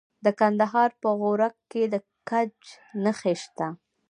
د کندهار په غورک کې د ګچ نښې شته.